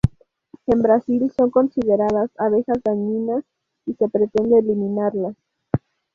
En Brasil son consideradas abejas dañinas y se pretende eliminarlas.